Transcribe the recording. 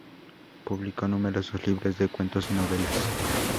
Publicó numerosos libros de cuentos y novelas.